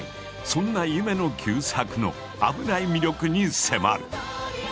そんな夢野久作の危ない魅力に迫る。